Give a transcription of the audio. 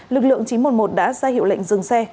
lực lượng chín trăm một mươi một đã ra hiệu lệnh dừng xe